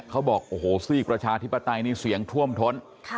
เขาบอกโอ้โหซีกประชาธิปไตยนี่เสียงท่วมท้น